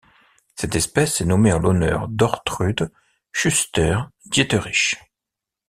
Cette espèce est nommée en l'honneur d'Ortrud Schuster‐Dieterichs.